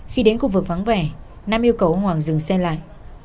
khi đến khu vực vắng vẻ nam yêu cầu ông hoàng dừng xe lại